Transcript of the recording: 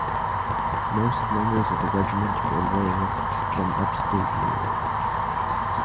Most members of the regiment were Loyalists from upstate New York.